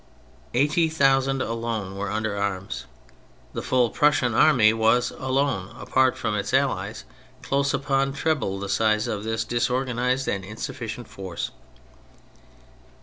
Eighty thousand alone were under arms. The full Prussian army was, alone, apart from its allies, close upon treble the size of this disorganised and insufficient force.